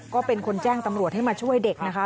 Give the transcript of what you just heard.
ก็เป็นคนแจ้งตำรวจให้มาช่วยเด็กนะคะ